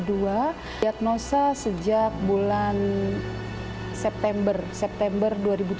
diagnosa sejak bulan september september dua ribu tujuh belas